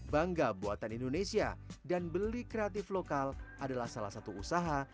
bangga buatan indonesia dan beli kreatif lokal adalah salah satu usaha